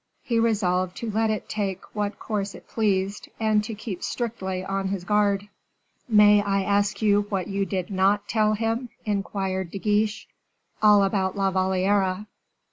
He resolved to let it take what course it pleased, and to keep strictly on his guard. "May I ask you what you did not tell him?" inquired De Guiche. "All about La Valliere."